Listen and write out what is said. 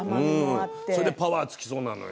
それでパワーがつきそうなのよ